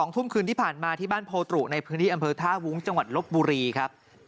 ทุ่มคืนที่ผ่านมาที่บ้านโพตรุในพื้นที่อำเภอท่าวุ้งจังหวัดลบบุรีครับ